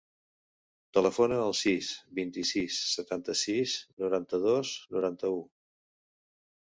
Telefona al sis, vint-i-sis, setanta-sis, noranta-dos, noranta-u.